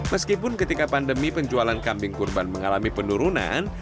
meskipun ketika pandemi penjualan kambing kurban mengalami penurunan